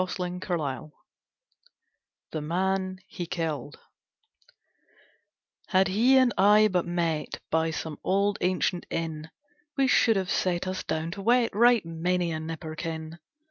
Thomas Hardy The Man He Killed 'HAD he and I but met By some old ancient inn, We should have set us down to wet Right many a nipperkin!